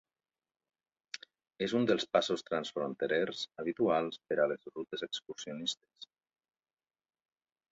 És un dels passos transfronterers habituals per a les rutes excursionistes.